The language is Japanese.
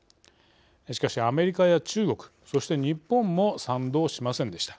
しかしアメリカや中国そして日本も賛同しませんでした。